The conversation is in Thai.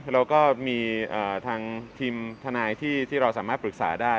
เราก็มีทางทีมทนายที่เราสามารถปรึกษาได้